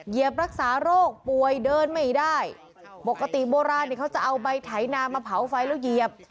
เหยียบรักษาโรคป่วยเดินไม่ได้ปกติโบราณเขาจะเอาใบไถนามาเผาไฟแล้วเหยียบ